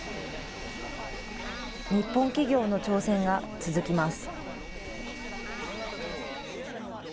日本企業の挑戦が続きます。